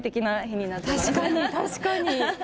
確かに確かに。